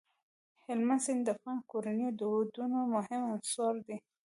هلمند سیند د افغان کورنیو د دودونو مهم عنصر دی.